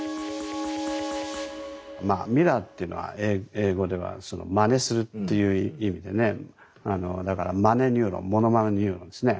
まあミラーってのは英語ではマネするっていう意味でねだからマネニューロンモノマネニューロンですね。